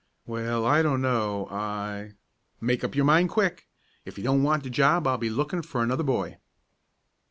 "Well, I don't know; I " "Make up your mind quick. If you don't want the job, I'll be lookin' for another boy."